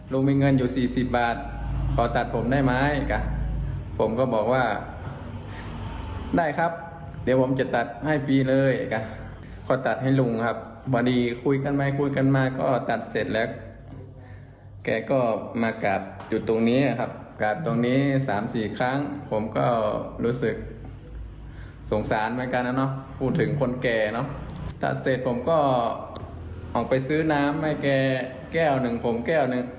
ลุงมีเงินอยู่สี่สิบบาทขอตัดผมได้ไหมผมก็บอกว่าได้ครับเดี๋ยวผมจะตัดให้ฟรีเลยพอตัดให้ลุงครับพอดีคุยกันไปคุยกันมาก็ตัดเสร็จแล้วแกก็มากราบอยู่ตรงนี้ครับกาดตรงนี้สามสี่ครั้งผมก็รู้สึกสงสารเหมือนกันนะเนาะพูดถึงคนแก่เนอะตัดเสร็จผมก็ออกไปซื้อน้ำให้แกแก้วหนึ่งผมแก้วหนึ่ง